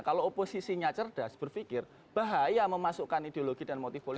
kalau oposisinya cerdas berpikir bahaya memasukkan ideologi dan motif politik